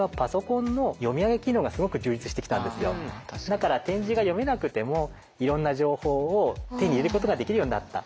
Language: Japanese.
だから点字が読めなくてもいろんな情報を手に入れることができるようになった。